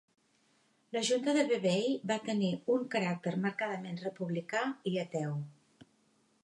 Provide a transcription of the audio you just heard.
La Junta de Vevey va tenir un caràcter marcadament republicà i ateu.